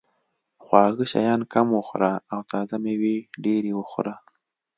خواږه شیان کم وخوره او تازه مېوې ډېرې وخوره.